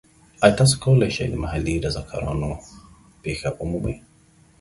ایا تاسو کولی شئ د محلي رضاکارانه پیښه ومومئ؟